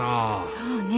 そうね